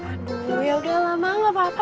aduh yaudah lah mak nggak apa apa